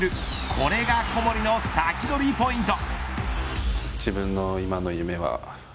これが小森のサキドリポイント。